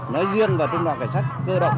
nói riêng và trung đoàn cảnh sát cơ động